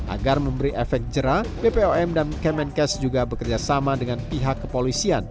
agar memberi efek jerah bpom dan kemenkes juga bekerjasama dengan pihak kepolisian